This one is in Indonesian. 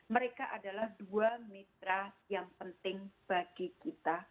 mereka adalah dua mitra yang penting bagi kita